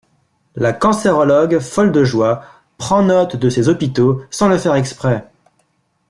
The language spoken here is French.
La cancérologue folle de joie prend note de ces hôpitaux sans le faire exprès!